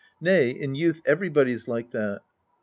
Nay, in youth everybody's like that.